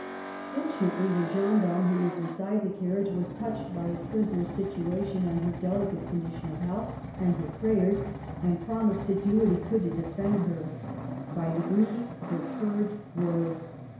Fortunately, the gendarme who was inside the carriage was 5 Digitized by VjOOQIC 66 MADAME DE STA&L touched by his prisoner's situation and her deli cate condition of health, and her prayers, and promised to do what he could to defend her. By degrees her courage rose.